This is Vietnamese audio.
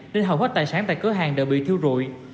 nên hầu hết tài sản tại cửa hàng đều bị thiêu rụi